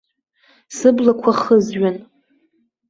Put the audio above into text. Сыблақәа хызҩан.